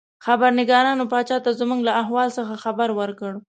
خبرنګارانو پاچا ته زموږ له احوال څخه خبر ورکړ.